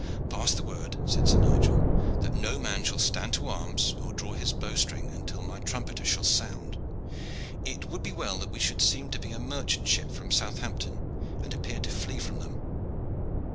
"Pass the word," said Sir Nigel, "that no man shall stand to arms or draw his bow string until my trumpeter shall sound. It would be well that we should seem to be a merchant ship from Southampton and appear to flee from them."